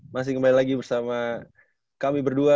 masih kembali lagi bersama kami berdua